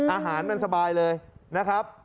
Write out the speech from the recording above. อาหารมันสบายเลยนะครับ